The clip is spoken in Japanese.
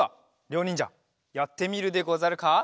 りょうにんじゃやってみるでござるか？